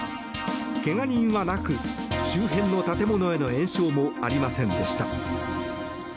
怪我人はなく周辺の建物への延焼もありませんでした。